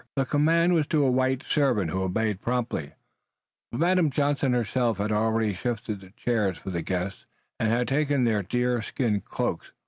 The command was to a white servant who obeyed promptly, but Madame Johnson herself had already shifted the chairs for the guests, and had taken their deerskin cloaks.